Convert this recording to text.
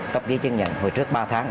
cấp giấy chứng nhận hồi trước ba tháng